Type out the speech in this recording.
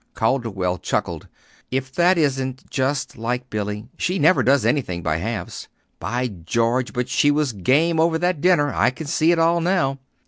Calderwell chuckled. "If that isn't just like Billy! She never does anything by halves. By George, but she was game over that dinner! I can see it all now."